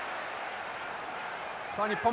さあ日本